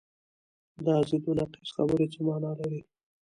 دا ضد و نقیض خبرې څه معنی لري؟